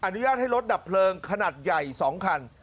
อนุญาตให้รถดับเพลิงขนาดใหญ่๒คัน